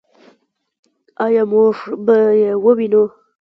آیا موږ به یې ووینو؟